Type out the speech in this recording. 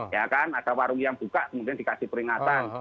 ya kan ada warung yang buka kemudian dikasih peringatan